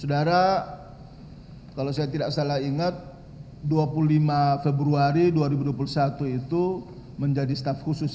saudara kalau saya tidak salah ingat dua puluh lima februari dua ribu dua puluh satu itu menjadi staff khusus